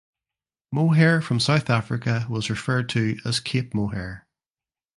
Mohair from South Africa was referred to as Cape mohair.